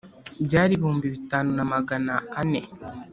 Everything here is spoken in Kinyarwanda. byari ibihumbi bitanu na magana ane